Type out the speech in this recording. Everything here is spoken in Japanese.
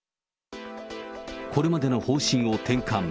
これまでの方針を転換。